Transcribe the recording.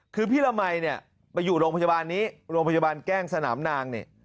คือพี่ละมัยเนี่ยไปอยู่โรงพยาบาลนี้โรงพยาบาลแกล้งสนามนางเนี่ย